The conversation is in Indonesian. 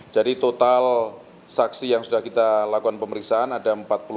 jadi total saksi yang sudah kita lakukan pemeriksaan ada empat puluh tiga